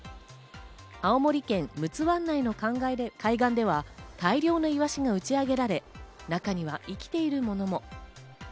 青森県陸奥湾内の海岸では大量のイワシが打ち上げられ、中には生きているものも。